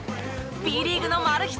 Ｂリーグのマル秘